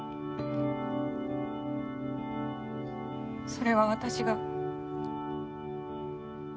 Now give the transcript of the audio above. それは私が。